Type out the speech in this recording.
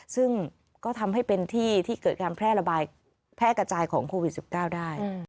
ซึ่งก็ทำให้เป็นที่ที่เกิดการแพร่กระจายของโควิด๑๙ได้